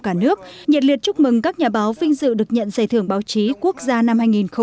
cả nước nhật liệt chúc mừng các nhà báo vinh dự được nhận giày thưởng báo chí quốc gia năm hai nghìn một mươi tám